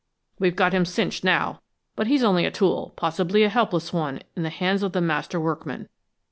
We've got him cinched now, but he's only a tool, possibly a helpless one, in the hands of the master workmen.